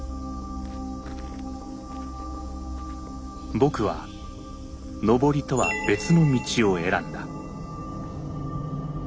僕は登りとは別の道を選んだ。